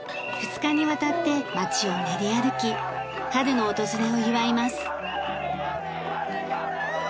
２日にわたって町を練り歩き春の訪れを祝います。